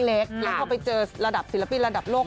แล้วเขาไปเจอศิลปินระดับโลก